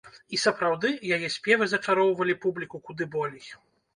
І сапраўды, яе спевы зачароўвалі публіку куды болей.